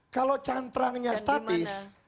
kalau cantrangnya statis